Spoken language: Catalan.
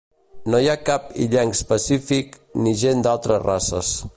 No hi ha cap illencs Pacífic ni gent d'altres races.